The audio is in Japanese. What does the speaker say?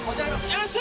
よっしゃ！